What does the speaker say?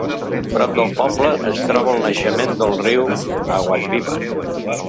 Prop del poble es troba el naixement del riu Aguasvivas.